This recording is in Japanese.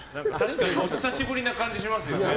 久しぶりな感じしますよね。